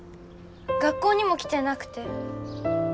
学校にも来てなくて。